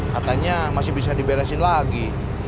katanya masih bisa diberesin lagi